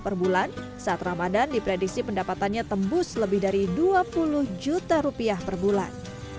perbulan saat ramadhan diprediksi pendapatannya tembus lebih dari dua puluh juta rupiah perbulan